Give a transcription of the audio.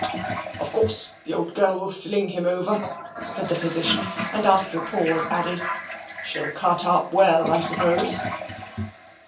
"Of course the old girl will fling him over," said the physician, and after a pause added, "She'll cut up well, I suppose."